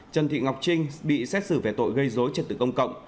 trần thị ngọc trinh bị xét xử về tội gây dối trật tự công cộng